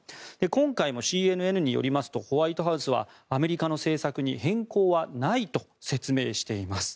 今回もＣＮＮによりますとホワイトハウスはアメリカの政策に変更はないと説明しています。